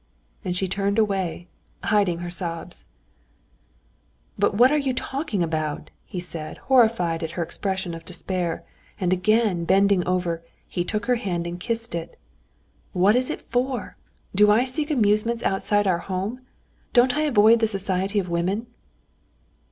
And she turned away, hiding her sobs. "But what are you talking about?" he said, horrified at her expression of despair, and again bending over her, he took her hand and kissed it. "What is it for? Do I seek amusements outside our home? Don't I avoid the society of women?"